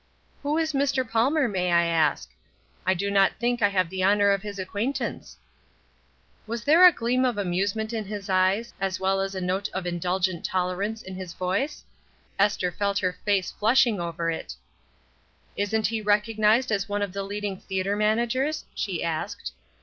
"Who is Mr. Palmer, may I ask? I do not think I have the honor of his acquaintance." 148 ESTER RIED'S NAMESAKE Was there a gleam of amusement in his eyes, as well as a note of indulgent tolerance in his voice? Esther felt her face flushing over it. "Isn't he recognized as one of the leading theatre managers?" she asked.